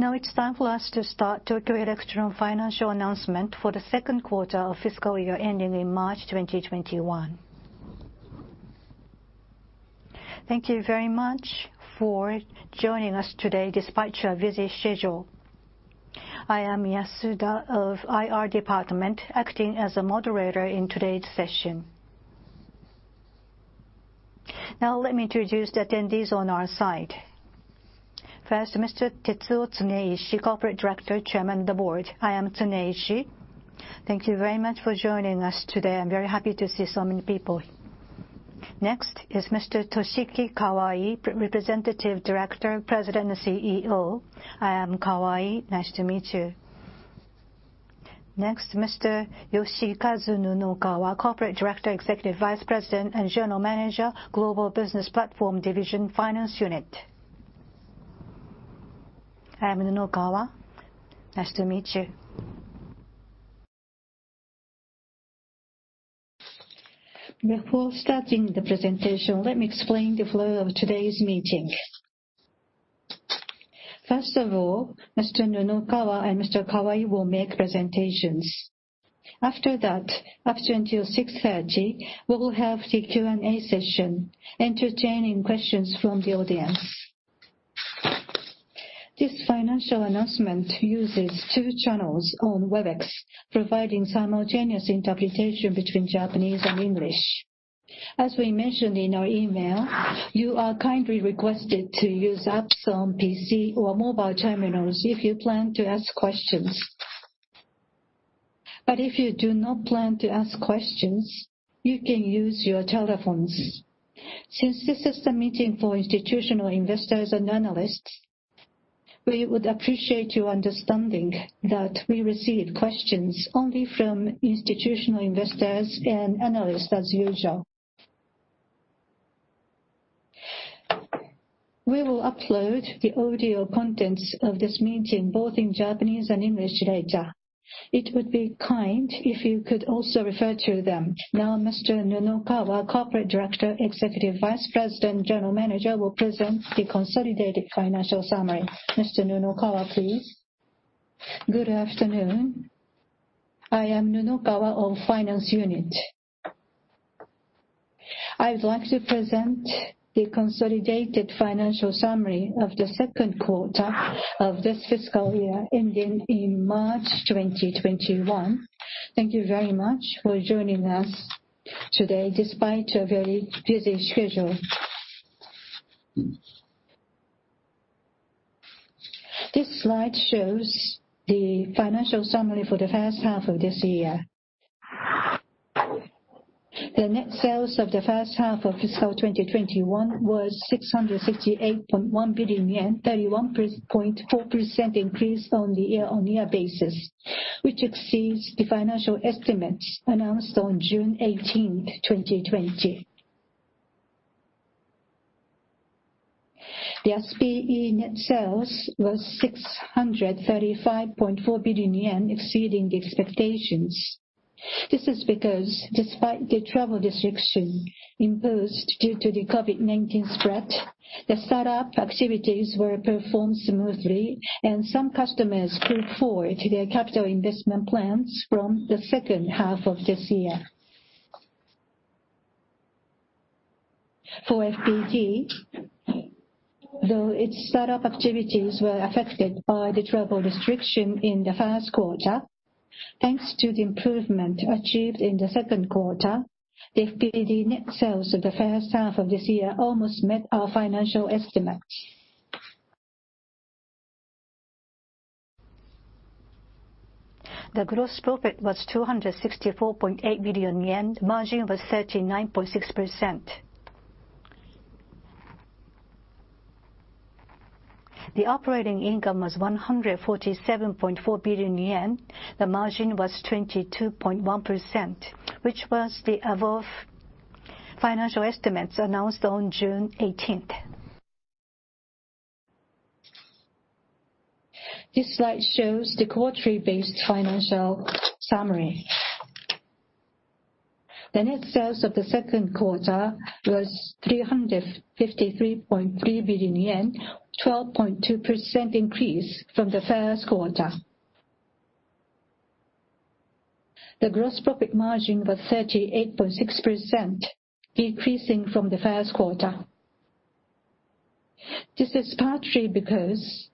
It's time for us to start Tokyo Electron financial announcement for the second quarter of fiscal year ending in March 2021. Thank you very much for joining us today despite your busy schedule. I am Yatsuda of IR Department, acting as a moderator in today's session. Let me introduce the attendees on our side. First, Mr. Tetsuo Tsuneishi, Corporate Director, Chairman of the Board. I am Tsuneishi. Thank you very much for joining us today. I'm very happy to see so many people. Next is Mr. Toshiki Kawai, Representative Director, President and CEO. I am Kawai. Nice to meet you. Next, Mr. Yoshikazu Nunokawa, Corporate Director, Executive Vice President and General Manager, Global Business Platform Division, Finance Unit. I am Nunokawa. Nice to meet you. Before starting the presentation, let me explain the flow of today's meeting. First of all, Mr. Nunokawa and Mr. Kawai will make presentations. After that, up until 6:30 P.M., we will have the Q and A session, entertaining questions from the audience. This financial announcement uses two channels on Webex, providing simultaneous interpretation between Japanese and English. As we mentioned in our email, you are kindly requested to use apps on PC or mobile terminals if you plan to ask questions. If you do not plan to ask questions, you can use your telephones. Since this is the meeting for institutional investors and analysts, we would appreciate you understanding that we receive questions only from institutional investors and analysts as usual. We will upload the audio contents of this meeting both in Japanese and English later. It would be kind if you could also refer to them. Mr. Nunokawa, Corporate Director, Executive Vice President, General Manager, will present the consolidated financial summary. Mr. Nunokawa, please. Good afternoon. I am Nunokawa of Finance Unit. I would like to present the consolidated financial summary of the second quarter of this fiscal year ending in March 2021. Thank you very much for joining us today despite your very busy schedule. This slide shows the financial summary for the first half of this year. The net sales of the first half of fiscal 2021 was 668.1 billion yen, 31.4% increase on the year-on-year basis, which exceeds the financial estimates announced on June 18, 2020. The SPE net sales was 635.4 billion yen, exceeding the expectations. This is because despite the travel restriction imposed due to the COVID-19 spread, the startup activities were performed smoothly, and some customers put forward their capital investment plans from the second half of this year. For FPD, though its startup activities were affected by the travel restriction in the first quarter, thanks to the improvement achieved in the second quarter, the FPD net sales of the first half of this year almost met our financial estimate. The gross profit was 264.8 billion yen. Margin was 39.6%. The operating income was 147.4 billion yen. The margin was 22.1%, which was the above financial estimates announced on June 18th. This slide shows the quarterly-based financial summary. The net sales of the second quarter was 353.3 billion yen, 12.2% increase from the first quarter. The gross profit margin was 38.6%, decreasing from the first quarter. This is partly because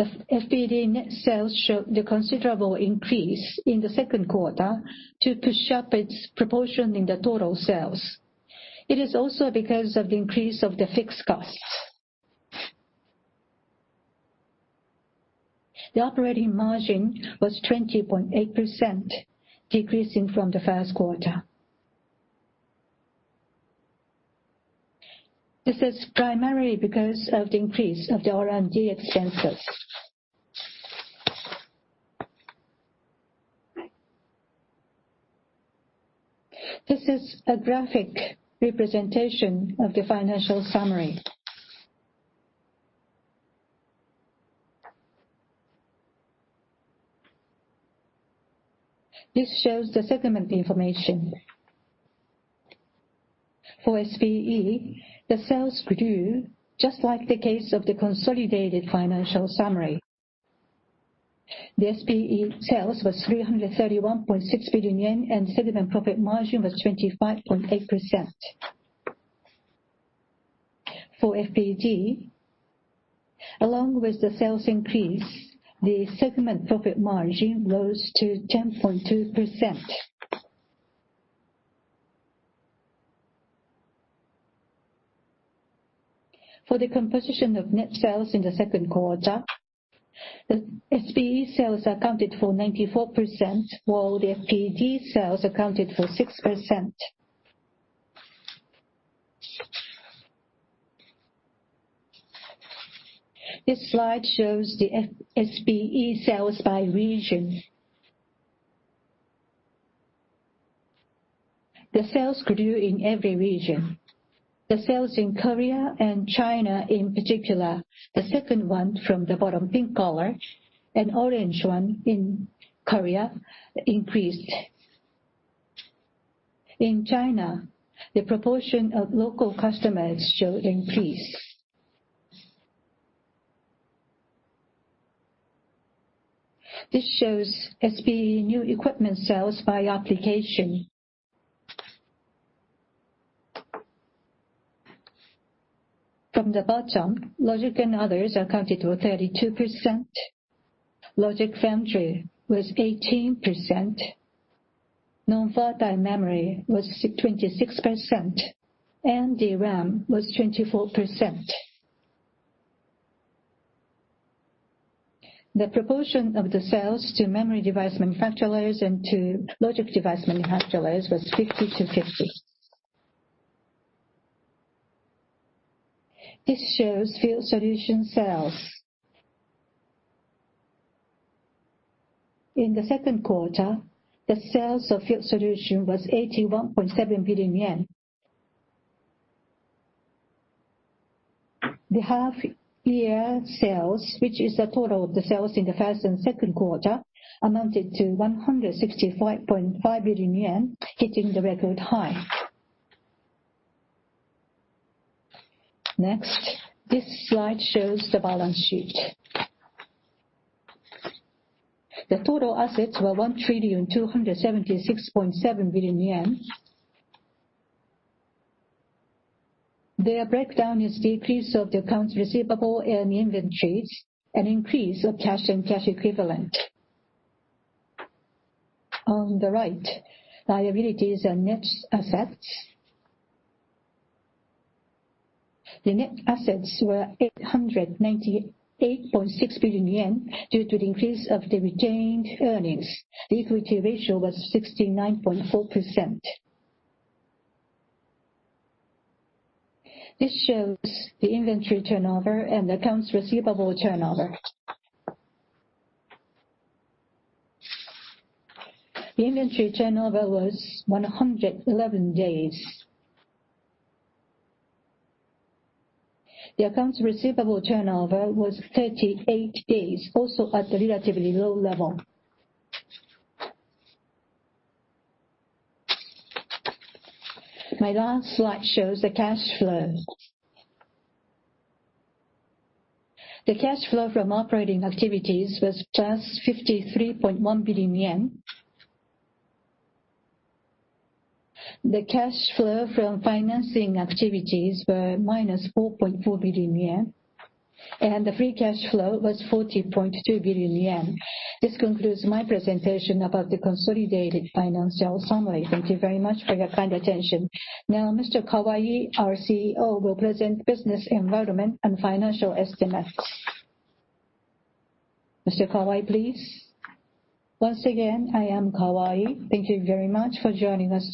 the FPD net sales showed a considerable increase in the second quarter to push up its proportion in the total sales. It is also because of the increase of the fixed costs. The operating margin was 20.8%, decreasing from the first quarter. This is primarily because of the increase of the R&D expenses. This is a graphic representation of the financial summary. This shows the segment information. For SPE, the sales grew, just like the case of the consolidated financial summary. The SPE sales was 331.6 billion yen, and segment profit margin was 25.8%. For FPD, along with the sales increase, the segment profit margin rose to 10.2%. For the composition of net sales in the second quarter, the SPE sales accounted for 94%, while the FPD sales accounted for 6%. This slide shows the SPE sales by region. The sales grew in every region. The sales in Korea and China, in particular, the second one from the bottom, pink color, and orange one in Korea, increased. In China, the proportion of local customers showed increase. This shows SPE new equipment sales by application. From the bottom, logic and others accounted to 32%, logic foundry was 18%, non-volatile memory was 26%, and DRAM was 24%. The proportion of the sales to memory device manufacturers and to logic device manufacturers was 50/50. This shows Field Solutions sales. In the second quarter, the sales of Field Solutions was 81.7 billion yen. The half year sales, which is the total of the sales in the first and second quarter, amounted to 165.5 billion yen, hitting the record high. Next, this slide shows the balance sheet. The total assets were 1.276 trillion. Their breakdown is decrease of the accounts receivable and inventories, an increase of cash and cash equivalent. On the right, liabilities and net assets. The net assets were 898.6 billion yen, due to the increase of the retained earnings. The equity ratio was 69.4%. This shows the inventory turnover and accounts receivable turnover. The inventory turnover was 111 days. The accounts receivable turnover was 38 days, also at a relatively low level. My last slide shows the cash flow. The cash flow from operating activities was plus JPY 53.1 billion. The cash flow from financing activities were minus 4.4 billion yen, and the free cash flow was 40.2 billion yen. This concludes my presentation about the consolidated financial summary. Thank you very much for your kind attention. Now, Mr. Kawai, our CEO, will present business environment and financial estimates. Mr. Kawai, please. Once again, I am Kawai. Thank you very much for joining us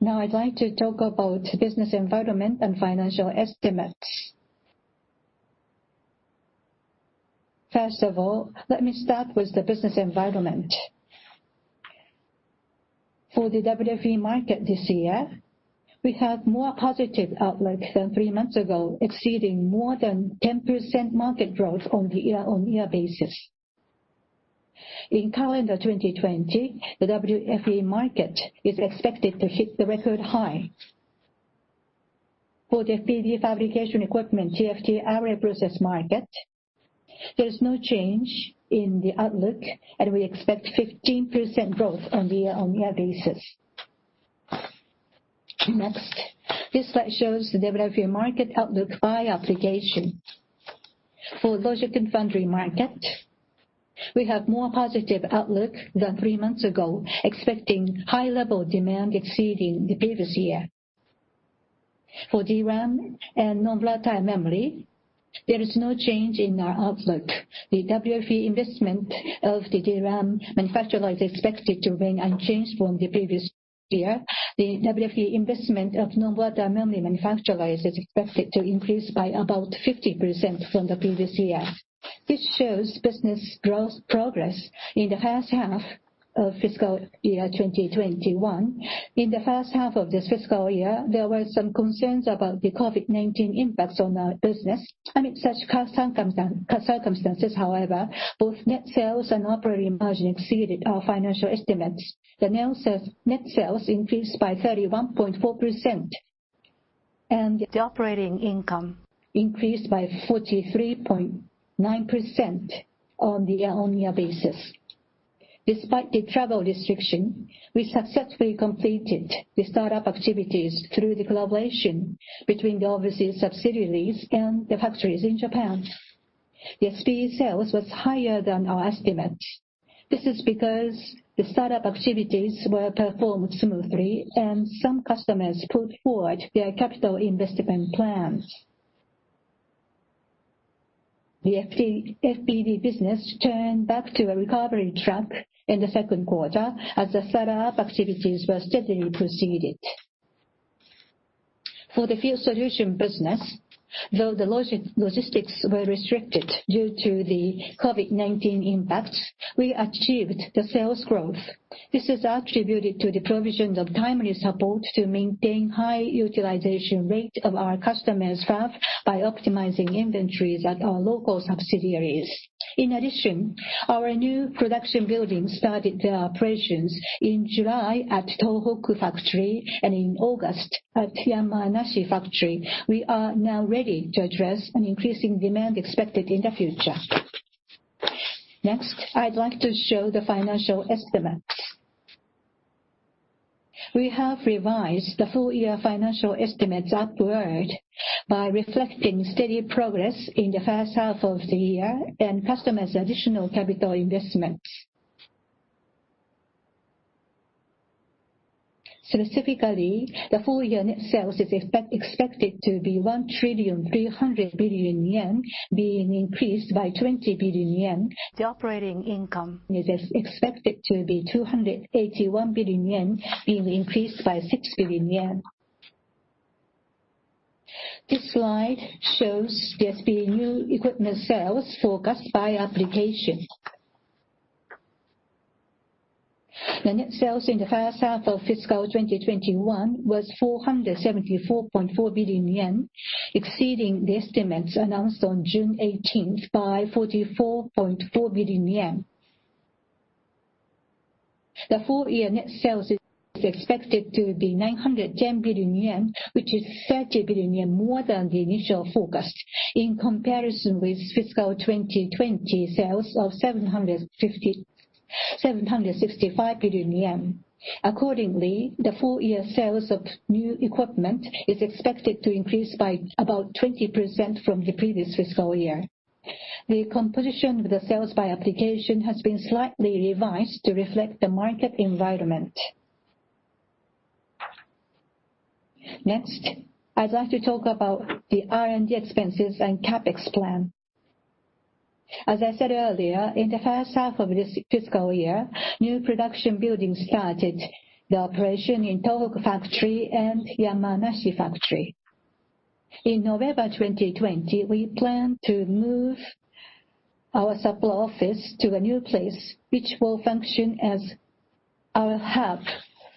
today. Now I'd like to talk about business environment and financial estimates. First of all, let me start with the business environment. For the WFE market this year, we have more positive outlook than three months ago, exceeding more than 10% market growth on the year-on-year basis. In calendar 2020, the WFE market is expected to hit the record high. For the FPD fabrication equipment, TFT array process market, there's no change in the outlook, and we expect 15% growth on the year-on-year basis. Next, this slide shows the WFE market outlook by application. For logic and foundry market, we have more positive outlook than three months ago, expecting high level demand exceeding the previous year. For DRAM and non-volatile memory, there is no change in our outlook. The WFE investment of the DRAM manufacturer is expected to remain unchanged from the previous year. The WFE investment of non-volatile memory manufacturer is expected to increase by about 50% from the previous year. This shows business growth progress in the first half of fiscal year 2021. In the first half of this fiscal year, there were some concerns about the COVID-19 impact on our business. Amid such circumstances however, both net sales and operating margin exceeded our financial estimates. The net sales increased by 31.4% and the operating income increased by 43.9% on the year-on-year basis. Despite the travel restriction, we successfully completed the start-up activities through the collaboration between the overseas subsidiaries and the factories in Japan. The SPE sales was higher than our estimates. This is because the start-up activities were performed smoothly and some customers put forward their capital investment plans. The FPD business turned back to a recovery track in the second quarter as the start-up activities were steadily proceeded. For the Field Solutions business, though the logistics were restricted due to the COVID-19 impacts, we achieved the sales growth. This is attributed to the provisions of timely support to maintain high utilization rate of our customers' staff by optimizing inventories at our local subsidiaries. In addition, our new production building started their operations in July at Tohoku factory and in August at Yamanashi factory. We are now ready to address an increasing demand expected in the future. Next, I'd like to show the financial estimates. We have revised the full-year financial estimates upward by reflecting steady progress in the first half of the year and customers' additional capital investments. Specifically, the full-year net sales is expected to be 1.3 trillion, being increased by 20 billion yen. The operating income is expected to be 281 billion yen, being increased by 6 billion yen. This slide shows the SPE equipment sales forecast by application. The net sales in the first half of fiscal 2021 was 474.4 billion yen, exceeding the estimates announced on June 18th by 44.4 billion yen. The full-year net sales is expected to be 910 billion yen, which is 30 billion yen more than the initial forecast in comparison with fiscal 2020 sales of 765 billion yen. Accordingly, the full-year sales of new equipment is expected to increase by about 20% from the previous fiscal year. The composition of the sales by application has been slightly revised to reflect the market environment. Next, I'd like to talk about the R&D expenses and CapEx plan. As I said earlier, in the first half of this fiscal year, new production buildings started the operation in Tohoku factory and Yamanashi factory. In November 2020, we planned to move our Sapporo office to a new place, which will function as our hub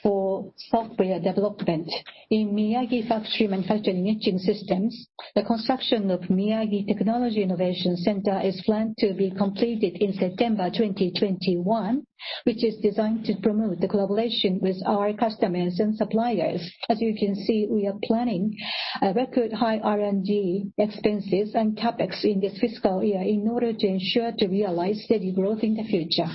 for software development. In Miyagi factory manufacturing etching systems, the construction of Miyagi Technology Innovation Center is planned to be completed in September 2021, which is designed to promote the collaboration with our customers and suppliers. As you can see, we are planning a record high R&D expenses and CapEx in this fiscal year in order to ensure to realize steady growth in the future.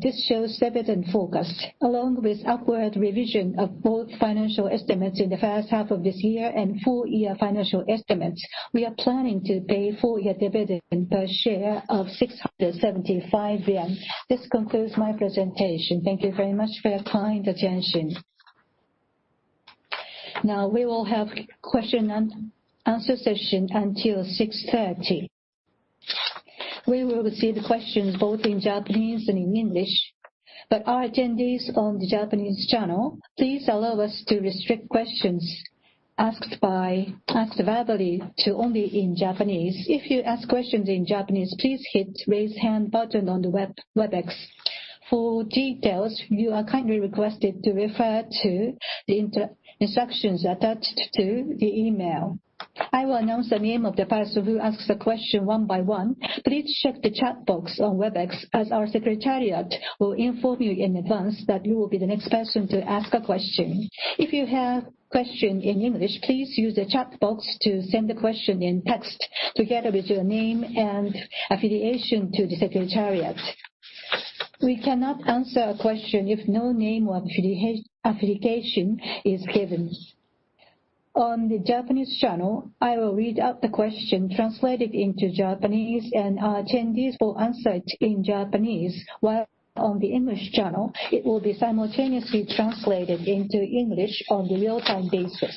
This shows dividend forecast, along with upward revision of both financial estimates in the first half of this year and full-year financial estimates. We are planning to pay full-year dividend per share of 675 yen. This concludes my presentation. Thank you very much for your kind attention. Now we will have question-and-answer session until 6:30 P.M. We will receive the questions both in Japanese and in English, but our attendees on the Japanese channel, please allow us to restrict questions asked verbally to only in Japanese. If you ask questions in Japanese, please hit raise hand button on the Webex. For details, you are kindly requested to refer to the instructions attached to the email. I will announce the name of the person who asks a question one by one. Please check the chat box on Webex as our secretariat will inform you in advance that you will be the next person to ask a question. If you have question in English, please use the chat box to send the question in text together with your name and affiliation to the secretariat. We cannot answer a question if no name or affiliation is given. On the Japanese channel, I will read out the question translated into Japanese and our attendees will answer it in Japanese, while on the English channel, it will be simultaneously translated into English on the real-time basis.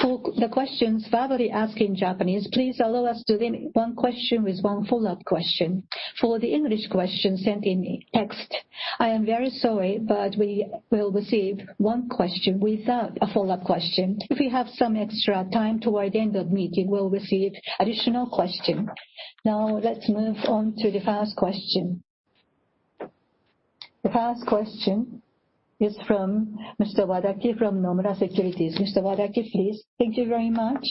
For the questions verbally asked in Japanese, please allow us to limit one question with one follow-up question. For the English questions sent in text, I am very sorry, but we will receive one question without a follow-up question. If we have some extra time toward the end of the meeting, we'll receive additional questions. Now, let's move on to the first question. The first question is from Mr. Wadaki from Nomura Securities. Mr. Wadaki, please. Thank you very much.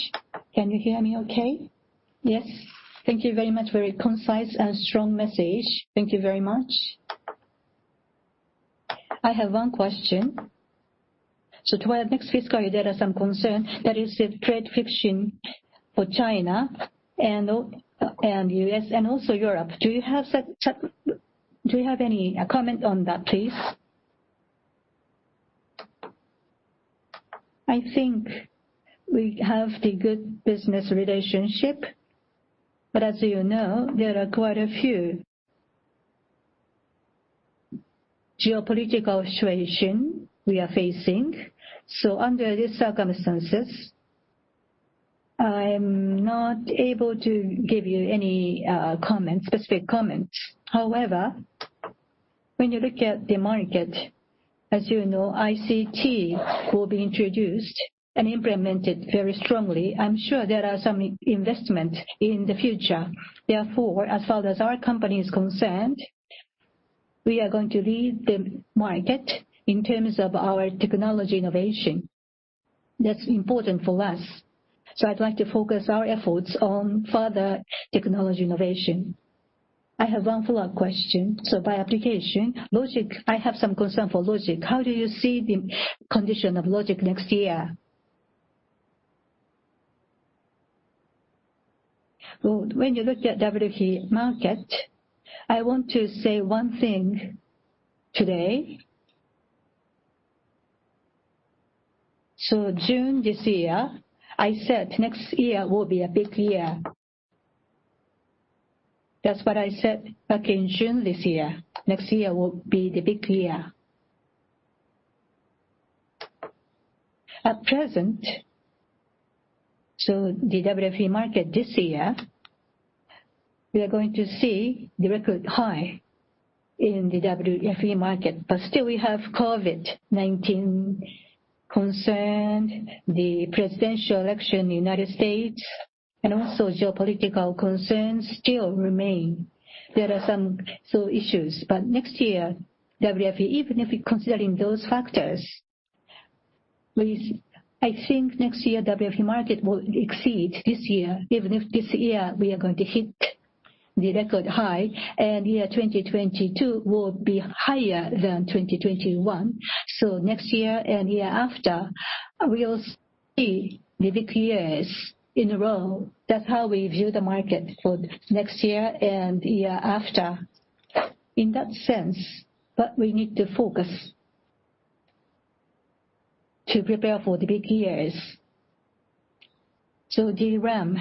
Can you hear me okay? Yes. Thank you very much. Very concise and strong message. Thank you very much. I have one question. Toward next fiscal year, there are some concerns that is the trade friction for China and U.S. and also Europe. Do you have any comment on that, please? I think we have the good business relationship, but as you know, there are quite a few geopolitical situation we are facing. Under these circumstances, I'm not able to give you any specific comments. However, when you look at the market, as you know, ICT will be introduced and implemented very strongly. I'm sure there are some investments in the future. Therefore, as far as our company is concerned, we are going to lead the market in terms of our technology innovation. That's important for us. I'd like to focus our efforts on further technology innovation. I have one follow-up question. By application, logic, I have some concern for logic. How do you see the condition of logic next year? Well, when you look at WFE market, I want to say one thing today. June this year, I said next year will be a big year. That's what I said back in June this year. Next year will be the big year. At present, the WFE market this year, we are going to see the record high in the WFE market, but still we have COVID-19 concern, the presidential election in the U.S., and also geopolitical concerns still remain. There are some issues. Next year, WFE, even if you're considering those factors, I think next year WFE market will exceed this year, even if this year we are going to hit the record high, and year 2022 will be higher than 2021. Next year and year after, we'll see the big years in a row. That's how we view the market for next year and year after. What we need to focus to prepare for the big years. The DRAM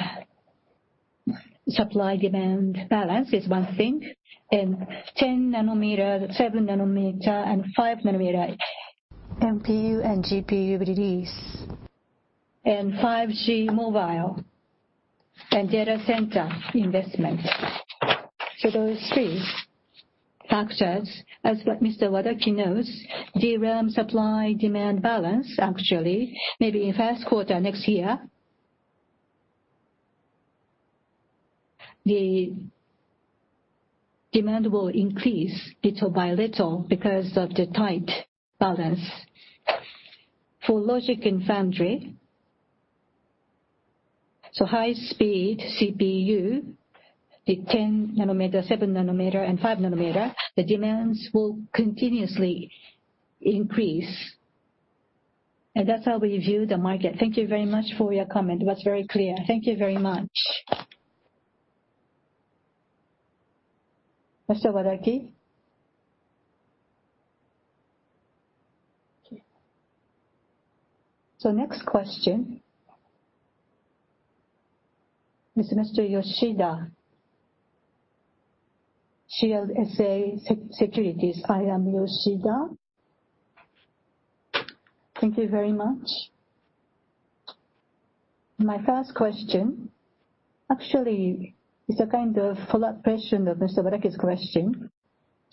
supply-demand balance is one thing, 10 nanometer, 7 nanometer, and 5 nanometer, NPU and GPU with these, 5G mobile, and data center investment. Those three factors, as what Mr. Wadaki knows, the DRAM supply-demand balance, actually, maybe in first quarter next year, the demand will increase little by little because of the tight balance. For logic and foundry, high speed CPU, the 10 nanometer, 7 nanometer, and 5 nanometer, the demands will continuously increase. That's how we view the market. Thank you very much for your comment. It was very clear. Thank you very much. Mr. Wadaki? Next question. It's Mr. Yoshida, CLSA Securities. I am Yoshida. Thank you very much. My first question actually is a kind of follow-up question of Mr. Wadaki's question.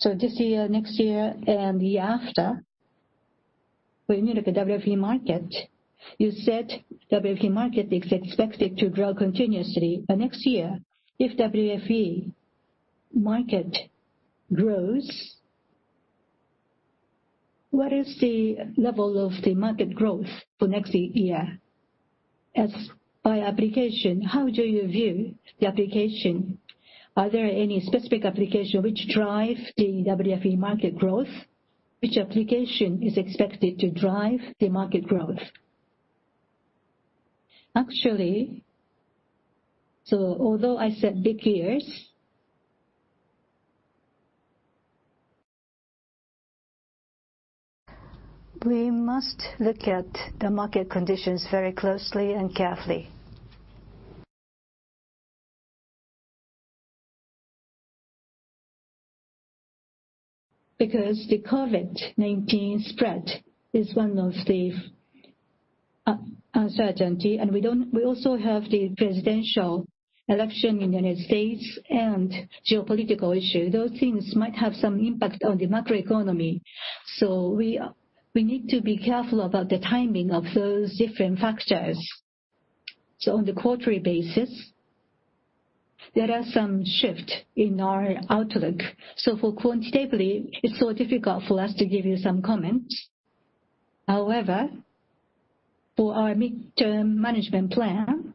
This year, next year, and the year after, when you look at WFE market, you said WFE market is expected to grow continuously. Next year, if WFE market grows, what is the level of the market growth for next year? As by application, how do you view the application? Are there any specific application which drive the WFE market growth? Which application is expected to drive the market growth? Actually, although I said big years, we must look at the market conditions very closely and carefully. The COVID-19 spread is one of the uncertainty. We also have the presidential election in United States and geopolitical issue. Those things might have some impact on the macroeconomy. We need to be careful about the timing of those different factors. On the quarterly basis, there are some shift in our outlook. For quantitatively, it's so difficult for us to give you some comments. However, for our midterm management plan,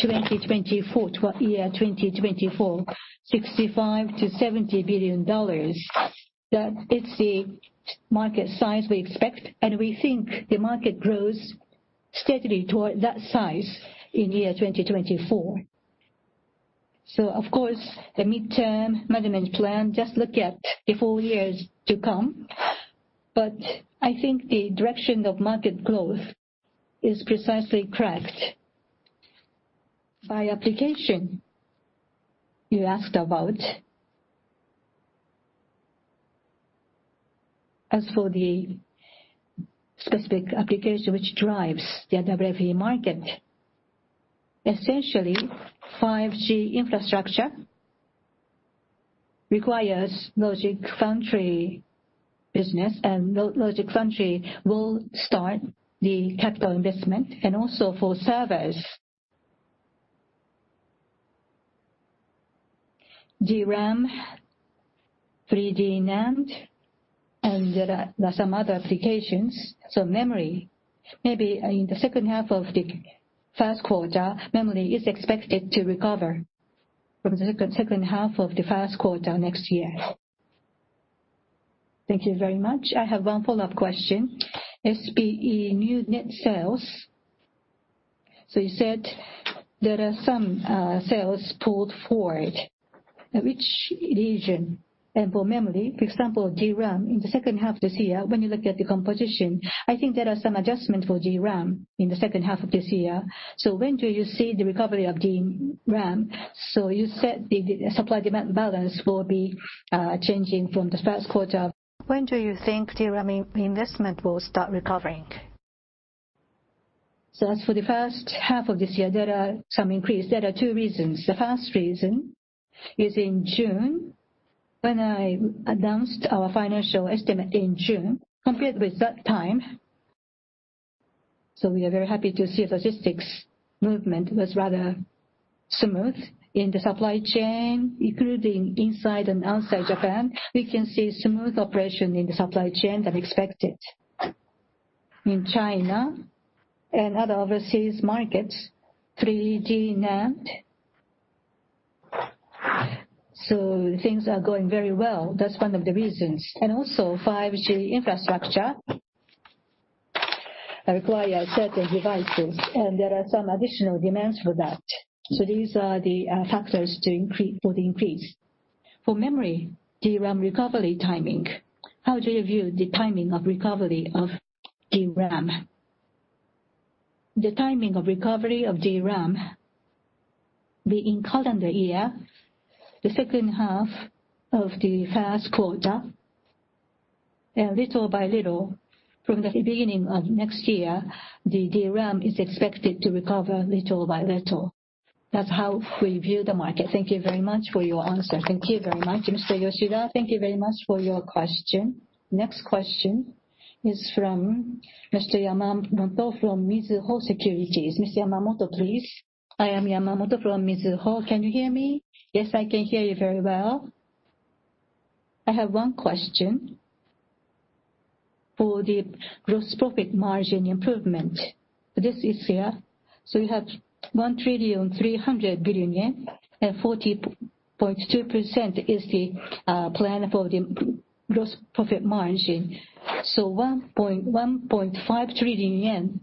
2024, toward year 2024, $65 billion-$70 billion, that is the market size we expect, and we think the market grows steadily toward that size in year 2024. Of course, the midterm management plan just look at the four years to come, but I think the direction of market growth is precisely correct. By application, you asked about. As for the specific application which drives the WFE market, essentially 5G infrastructure requires logic foundry business, and logic foundry will start the capital investment, and also for servers. DRAM, 3D NAND, and there are some other applications. Memory, maybe in the second half of the first quarter, memory is expected to recover from the second half of the first quarter next year. Thank you very much. I have one follow-up question. SPE new net sales. You said there are some sales pulled forward. Which region? For memory, for example, DRAM in the second half this year, when you look at the composition, I think there are some adjustment for DRAM in the second half of this year. When do you see the recovery of DRAM? You said the supply-demand balance will be changing from the first quarter. When do you think DRAM investment will start recovering? As for the first half of this year, there are some increase. There are two reasons. The first reason is in June. When I announced our financial estimate in June, compared with that time. We are very happy to see logistics movement was rather smooth in the supply chain, including inside and outside Japan. We can see smooth operation in the supply chain than expected. In China and other overseas markets, 3D NAND. Things are going very well. That's one of the reasons. Also 5G infrastructure require certain devices, and there are some additional demands for that. These are the factors for the increase. For memory, DRAM recovery timing. How do you view the timing of recovery of DRAM? The timing of recovery of DRAM be in calendar year, the second half of the first quarter, little by little. From the beginning of next year, the DRAM is expected to recover little by little. That's how we view the market. Thank you very much for your answer. Thank you very much. Mr. Yoshida. Thank you very much for your question. Next question is from Mr. Yamamoto from Mizuho Securities. Mr. Yamamoto, please. I am Yamamoto from Mizuho. Can you hear me? Yes, I can hear you very well. I have one question. For the gross profit margin improvement this year. You have 1.3 trillion, and 40.2% is the plan for the gross profit margin. 1.5 trillion yen,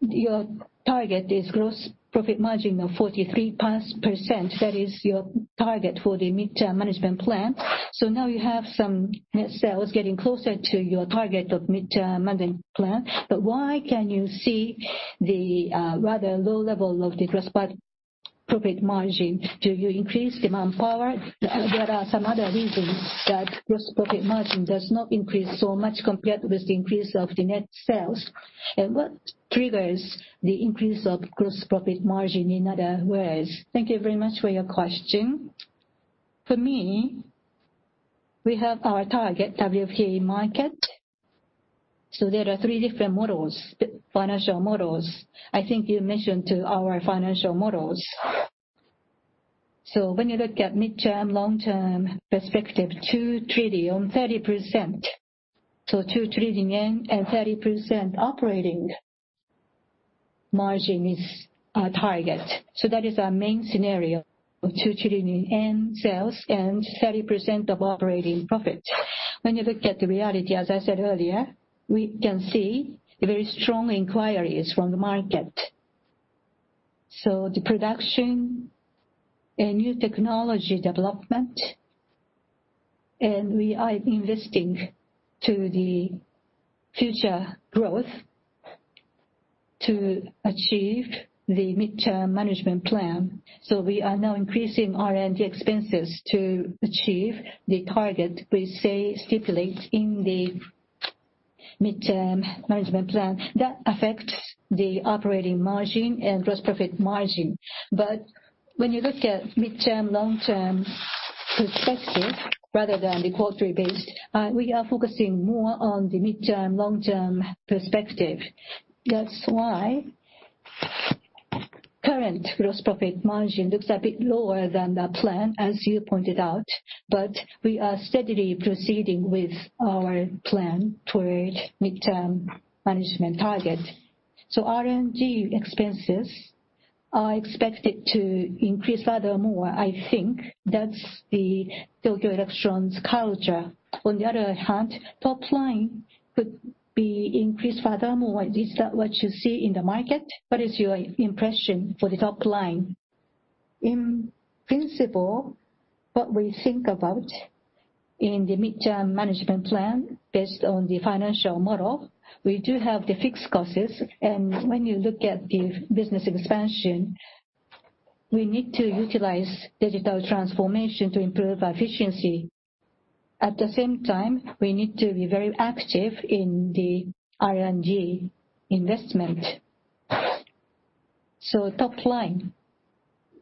your target is gross profit margin of 43%. That is your target for the midterm management plan. Now you have some net sales getting closer to your target of midterm management plan, why can you see the rather low level of the gross profit margin? Do you increase demand power? There are some other reasons that gross profit margin does not increase so much compared with the increase of the net sales. What triggers the increase of gross profit margin, in other words? Thank you very much for your question. For me, we have our target WFE market. There are three different financial models. I think you mentioned to our financial models. When you look at midterm, long-term perspective, 2 trillion, 30%. 2 trillion and 30% operating margin is our target. That is our main scenario of 2 trillion in sales and 30% of operating profit. When you look at the reality, as I said earlier, we can see very strong inquiries from the market. The production and new technology development, and we are investing to the future growth to achieve the midterm management plan. We are now increasing R&D expenses to achieve the target we stipulate in the midterm management plan. That affects the operating margin and gross profit margin. When you look at midterm, long-term perspective, rather than the quarterly-based, we are focusing more on the midterm, long-term perspective. That's why current gross profit margin looks a bit lower than the plan, as you pointed out. We are steadily proceeding with our plan toward midterm management target. R&D expenses are expected to increase furthermore. I think that's the Tokyo Electron's culture. On the other hand, top line could be increased furthermore. Is that what you see in the market? What is your impression for the top line? In principle, what we think about in the midterm management plan, based on the financial model, we do have the fixed costs. When you look at the business expansion, we need to utilize digital transformation to improve efficiency. At the same time, we need to be very active in the R&D investment. Top line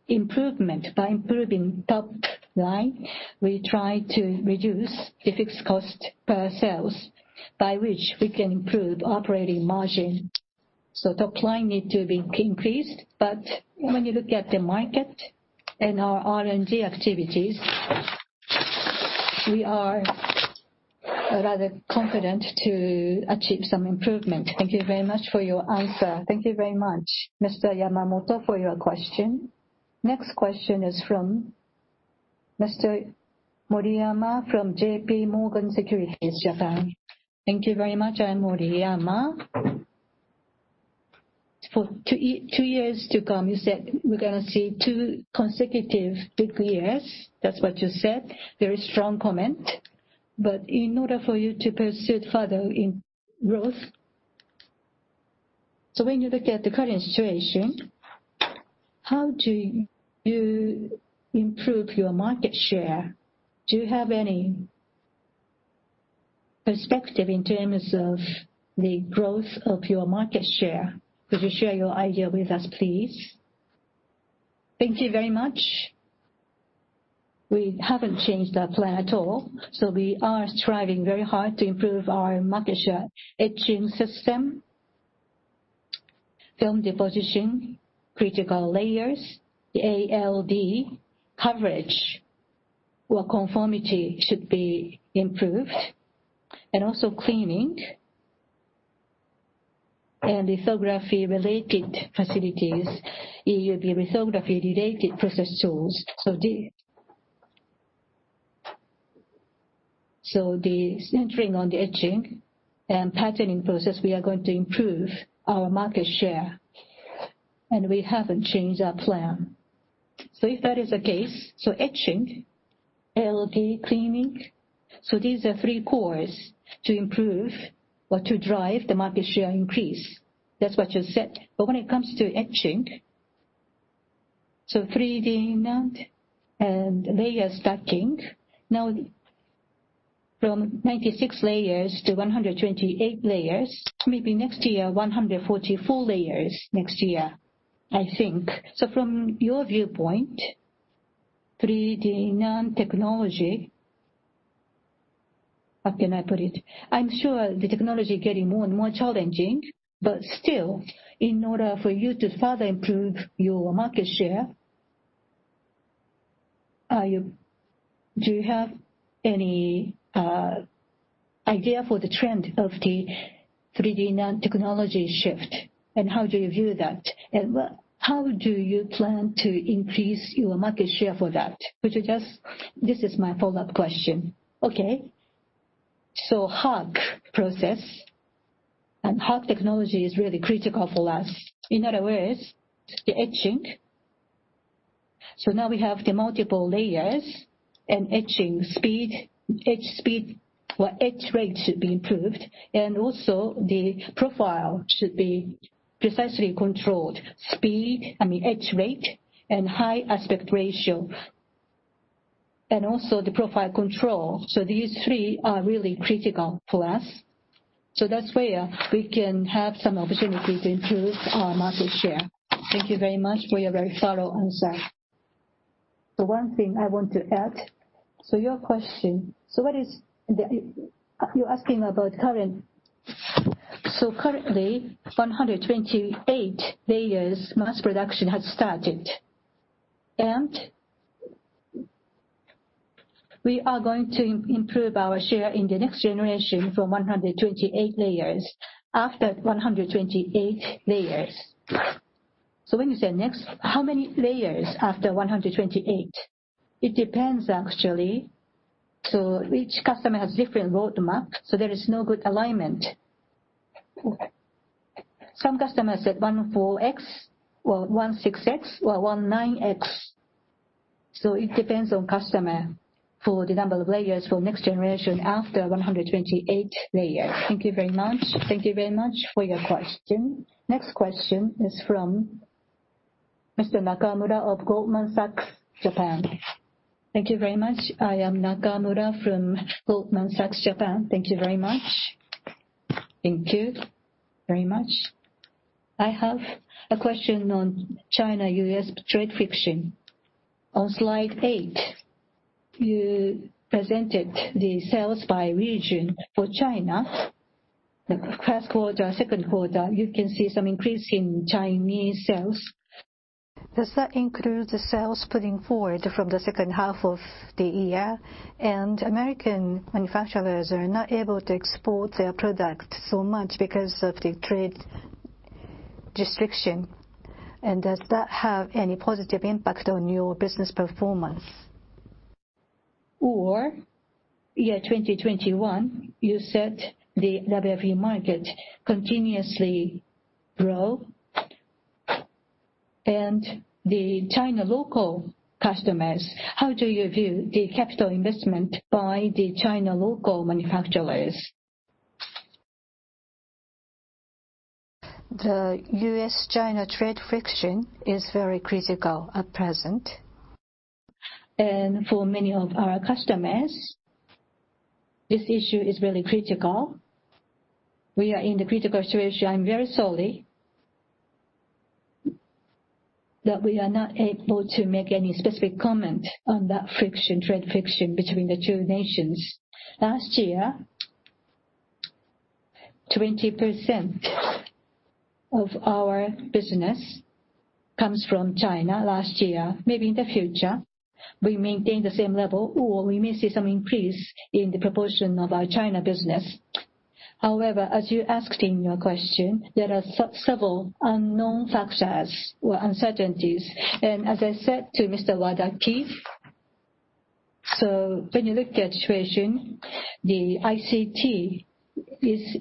improvement, by improving top line, we try to reduce the fixed cost per sales, by which we can improve operating margin. Top line need to be increased, but when you look at the market and our R&D activities, we are rather confident to achieve some improvement. Thank you very much for your answer. Thank you very much. Mr. Yamamoto for your question. Next question is from Mr. Moriyama from JPMorgan Securities Japan. Thank you very much. I'm Moriyama. For two years to come, you said we're going to see two consecutive good years. That's what you said. Very strong comment. In order for you to pursue further in growth, so when you look at the current situation, how do you improve your market share? Do you have any perspective in terms of the growth of your market share? Could you share your idea with us, please? Thank you very much. We haven't changed our plan at all. We are striving very hard to improve our market share etching system, film deposition, critical layers, the ALD coverage or conformity should be improved, and also cleaning and lithography related facilities, EUV lithography related process tools. The centering on the etching and patterning process, we are going to improve our market share, and we haven't changed our plan. If that is the case, etching, ALD cleaning. These are three cores to improve or to drive the market share increase. That's what you said. When it comes to etching, 3D NAND and layer stacking, now from 96 layers to 128 layers, maybe next year, 144 layers next year, I think. From your viewpoint, 3D NAND technology, how can I put it? I'm sure the technology is getting more and more challenging. Still, in order for you to further improve your market share, do you have any idea for the trend of the 3D NAND technology shift, and how do you view that? How do you plan to increase your market share for that? This is my follow-up question. Okay. HAR process and HAR technology is really critical for us. In other words, the etching. Now we have the multiple layers and etching speed, etch speed or etch rate should be improved, and also the profile should be precisely controlled. Speed, I mean, etch rate and high aspect ratio, and also the profile control. These three are really critical for us. That's where we can have some opportunity to improve our market share. Thank you very much for your very thorough answer. One thing I want to add. Your question, you're asking about current. Currently, 128 layers mass production has started, and we are going to improve our share in the next generation from 128 layers after 128 layers. When you say next, how many layers after 128? It depends, actually. Each customer has different roadmap, so there is no good alignment. Some customers said 14X or 16X or 19X. It depends on customer for the number of layers for next generation after 128 layers. Thank you very much. Thank you very much for your question. Next question is from Mr. Nakamura of Goldman Sachs Japan. Thank you very much. I am Nakamura from Goldman Sachs Japan. Thank you very much. Thank you very much. I have a question on China-U.S. trade friction. On slide eight, you presented the sales by region for China. The first quarter, second quarter, you can see some increase in Chinese sales. Does that include the sales putting forward from the second half of the year? American manufacturers are not able to export their product so much because of the trade restriction. Does that have any positive impact on your business performance? Year 2021, you said the WFE market continuously grow and the China local customers, how do you view the capital investment by the China local manufacturers? The US-China trade friction is very critical at present, and for many of our customers, this issue is really critical. We are in the critical situation. I'm very sorry that we are not able to make any specific comment on that friction, trade friction between the two nations. Last year, 20% of our business comes from China last year. Maybe in the future, we maintain the same level, or we may see some increase in the proportion of our China business. However, as you asked in your question, there are several unknown factors or uncertainties. As I said to Mr. Wadaki, so when you look at situation, the ICT is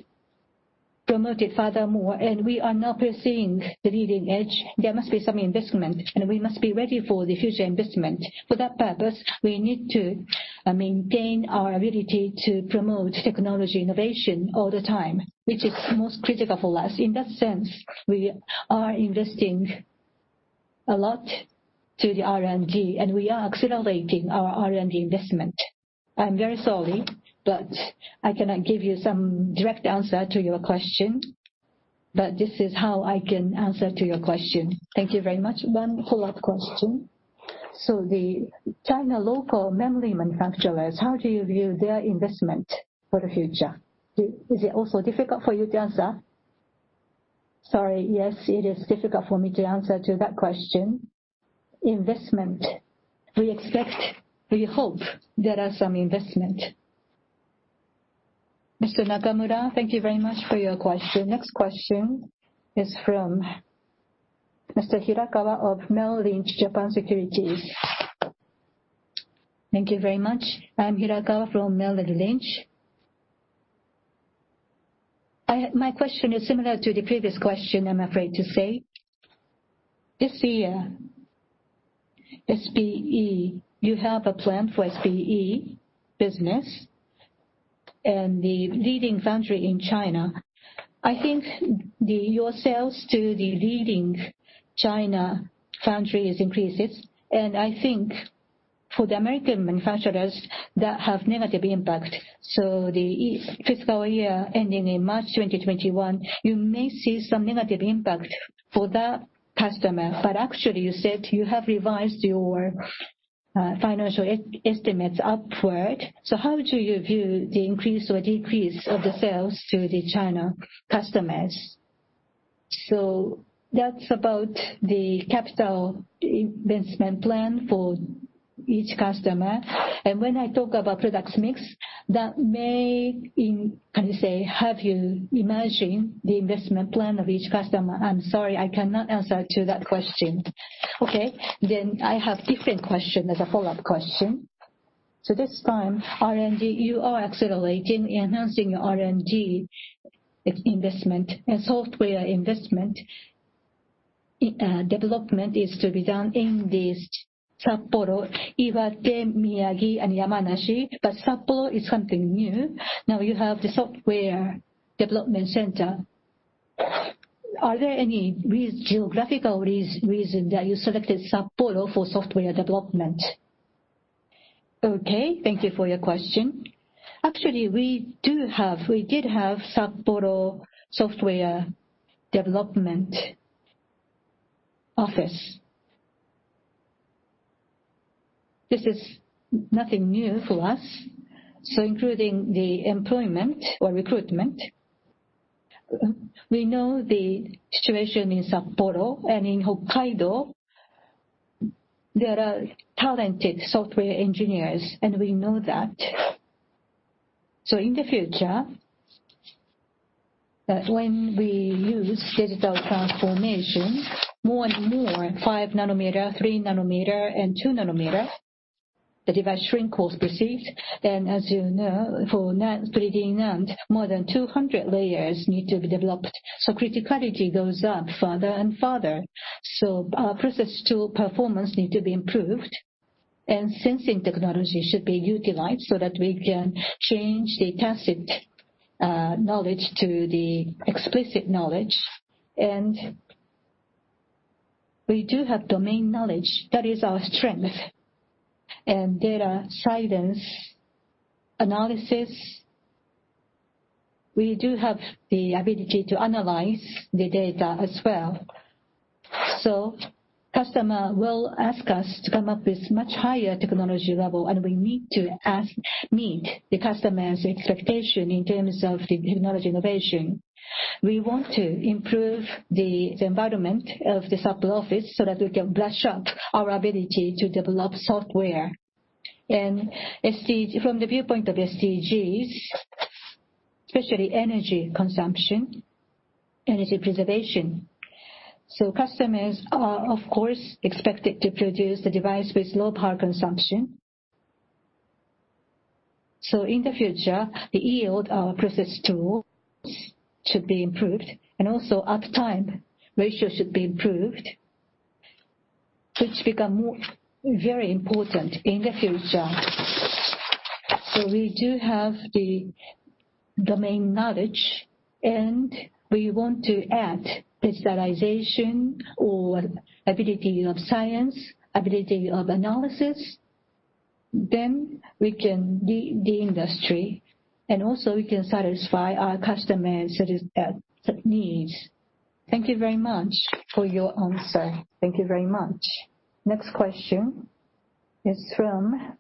promoted furthermore, and we are now pursuing the leading edge. There must be some investment, and we must be ready for the future investment. For that purpose, we need to maintain our ability to promote technology innovation all the time, which is most critical for us. In that sense, we are investing a lot to the R&D, and we are accelerating our R&D investment. I'm very sorry, but I cannot give you some direct answer to your question. This is how I can answer to your question. Thank you very much. One follow-up question. The China local memory manufacturers, how do you view their investment for the future? Is it also difficult for you to answer? Sorry, yes, it is difficult for me to answer to that question. Investment. We expect, we hope there are some investment. Mr. Nakamura, thank you very much for your question. Next question is from Mr. Hirakawa of Merrill Lynch Japan Securities. Thank you very much. I'm Hirakawa from Merrill Lynch. My question is similar to the previous question, I'm afraid to say. This year, SPE, you have a plan for SPE business and the leading foundry in China. I think your sales to the leading China foundry increases, and I think for the American manufacturers, that have negative impact. The fiscal year ending in March 2021, you may see some negative impact for that customer. Actually, you said you have revised your financial estimates upward. How do you view the increase or decrease of the sales to the China customers? That's about the capital investment plan for each customer. When I talk about products mix, that may have you imagine the investment plan of each customer. I'm sorry, I cannot answer to that question. I have different question as a follow-up question. This time, R&D, you are accelerating, enhancing your R&D investment and software investment. Development is to be done in the Sapporo, Iwate, Miyagi, and Yamanashi, but Sapporo is something new. Now you have the software development center. Are there any geographical reason that you selected Sapporo for software development? Okay. Thank you for your question. Actually, we did have Sapporo software development office. This is nothing new for us, so including the employment or recruitment, we know the situation in Sapporo and in Hokkaido. There are talented software engineers, and we know that. In the future, when we use digital transformation more and more, 5 nanometer, 3 nanometer, and 2 nanometer. The device shrink was perceived. As you know, for 3D NAND, more than 200 layers need to be developed. Criticality goes up further and further. Our process tool performance needs to be improved, and sensing technology should be utilized so that we can change the tacit knowledge to the explicit knowledge. We do have domain knowledge. That is our strength. Data science analysis, we do have the ability to analyze the data as well. Customer will ask us to come up with much higher technology level, and we need to meet the customer's expectation in terms of the technology innovation. We want to improve the environment of the Sapporo office so that we can brush up our ability to develop software, and from the viewpoint of SDGs, especially energy consumption, energy preservation. Customers are, of course, expected to produce the device with low power consumption. In the future, the yield process tool should be improved and also up time ratio should be improved, which become very important in the future. We do have the domain knowledge, and we want to add digitalization or ability of science, ability of analysis. We can lead the industry, and also we can satisfy our customers' needs. Thank you very much for your answer. Thank you very much. Next question is from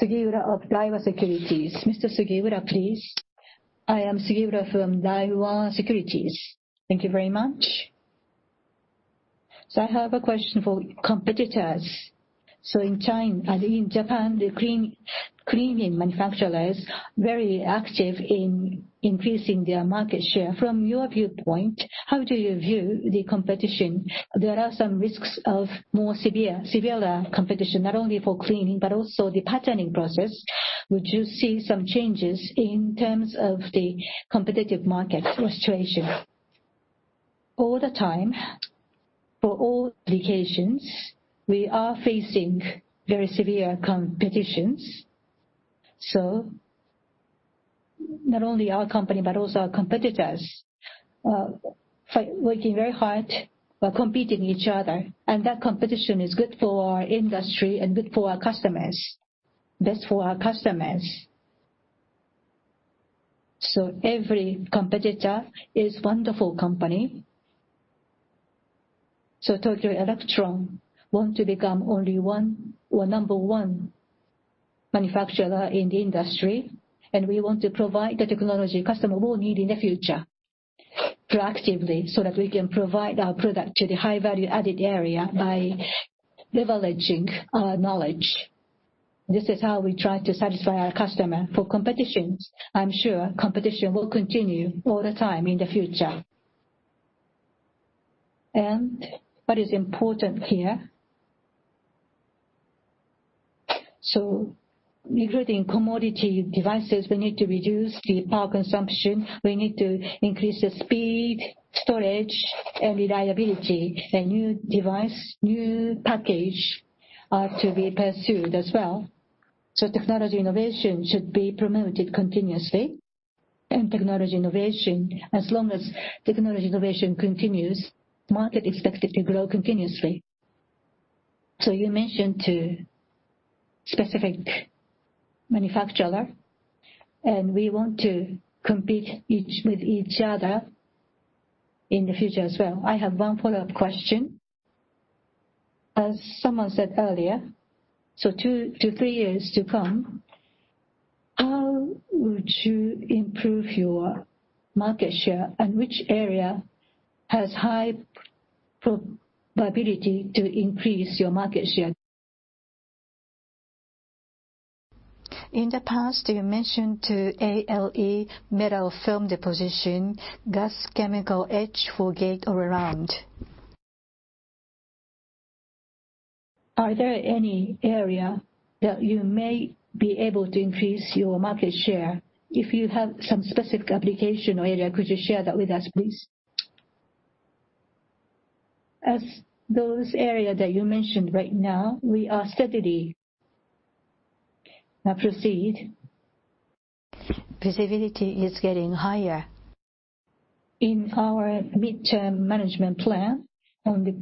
Sugiura of Daiwa Securities. Mr. Sugiura, please. I am Sugiura from Daiwa Securities. Thank you very much. I have a question for competitors. In Japan, the cleaning manufacturer is very active in increasing their market share. From your viewpoint, how do you view the competition? There are some risks of more severe competition, not only for cleaning but also the patterning process. Would you see some changes in terms of the competitive market situation? All the time, for all applications, we are facing very severe competitions. Not only our company, but also our competitors are working very hard by competing each other, and that competition is good for our industry and good for our customers. Best for our customers. Every competitor is wonderful company. Tokyo Electron want to become only one or number one manufacturer in the industry, and we want to provide the technology customer will need in the future proactively so that we can provide our product to the high value-added area by leveraging our knowledge. This is how we try to satisfy our customer for competitions. I'm sure competition will continue all the time in the future. What is important here, including commodity devices, we need to reduce the power consumption. We need to increase the speed, storage, and reliability, and new device, new package are to be pursued as well. Technology innovation should be promoted continuously, and as long as technology innovation continues, market is expected to grow continuously. You mentioned two specific manufacturer, and we want to compete with each other in the future as well. I have one follow-up question. As someone said earlier, two to three years to come, how would you improve your market share, and which area has high probability to increase your market share? In the past, you mentioned to ALD metal film deposition, gas chemical etch for gate-all-around. Are there any area that you may be able to increase your market share? If you have some specific application area, could you share that with us, please? As those area that you mentioned right now, we are steadily proceed. Visibility is getting higher. In our midterm management plan, on the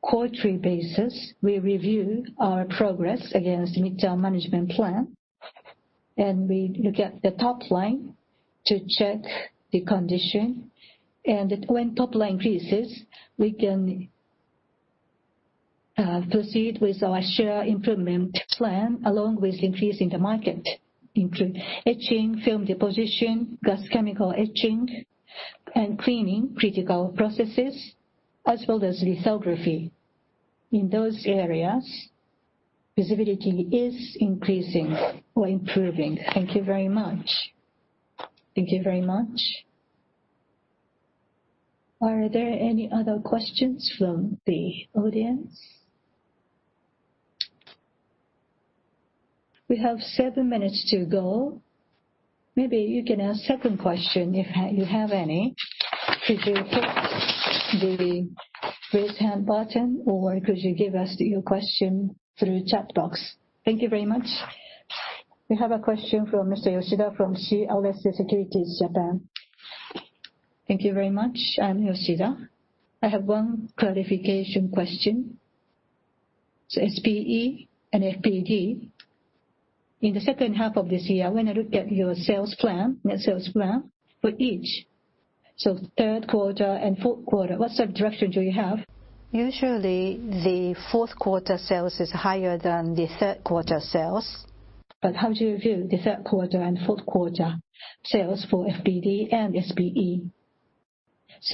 quarterly basis, we review our progress against midterm management plan, and we look at the top line to check the condition. When top line increases, we can proceed with our share improvement plan, along with increasing the market, including etching, film deposition, gas chemical etching, and cleaning critical processes, as well as lithography. In those areas, visibility is increasing or improving. Thank you very much. Thank you very much. Are there any other questions from the audience? We have seven minutes to go. Maybe you can ask second question if you have any. Could you click the raise hand button or could you give us your question through chat box? Thank you very much. We have a question from Mr. Yoshida from CLSA Securities Japan. Thank you very much. I'm Yoshida. I have one clarification question. SPE and FPD, in the second half of this year, when I look at your net sales plan for each, third quarter and fourth quarter, what's the direction do you have? Usually the fourth quarter sales is higher than the third quarter sales. How do you view the third quarter and fourth quarter sales for FPD and SPE?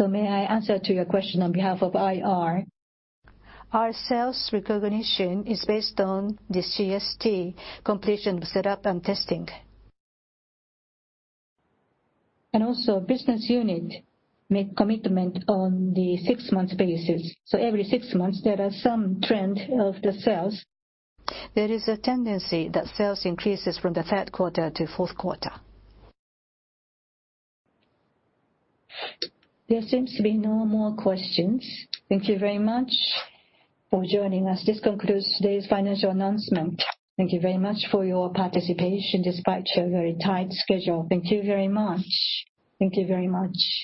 May I answer to your question on behalf of IR? Our sales recognition is based on the CST, Completion of Setup and Testing. Also business unit make commitment on the six months basis. Every six months, there are some trend of the sales. There is a tendency that sales increases from the third quarter to fourth quarter. There seems to be no more questions. Thank you very much for joining us. This concludes today's financial announcement. Thank you very much for your participation despite your very tight schedule. Thank you very much. Thank you very much